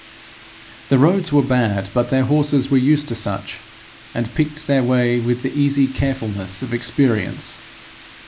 The roads were bad, but their horses were used to such, and picked their way with the easy carefulness of experience.